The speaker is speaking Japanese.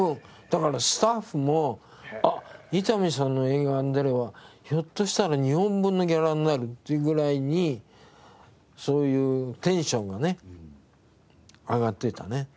だからスタッフも「あっ伊丹さんの映画に出ればひょっとしたら２本分のギャラになる」っていうぐらいにそういうテンションがね上がってたね。